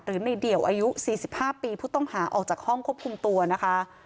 หรือในเดี่ยวอายุ๔๕ปีผู้ต้องหาออกจากห้องควบคุมตัวนะคะ